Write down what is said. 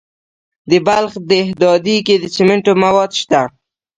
د بلخ په دهدادي کې د سمنټو مواد شته.